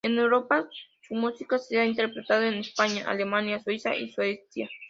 En Europa su música se ha interpretado en España, Alemania, Suiza y Suecia.